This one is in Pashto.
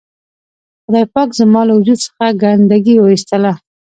خدای پاک زما له وجود څخه ګندګي و اېستله.